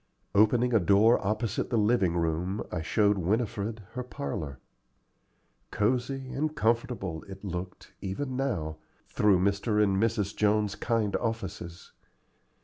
Opening a door opposite the living room, I showed Winifred her parlor. Cosey and comfortable it looked, even now, through Mr. and Mrs. Jones's kind offices.